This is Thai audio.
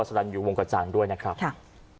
สรรอยู่วงกระจ่างด้วยนะครับ